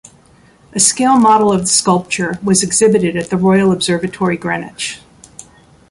A scale model of the sculpture was exhibited at the Royal Observatory Greenwich.